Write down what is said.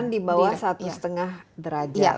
dibawah satu setengah derajat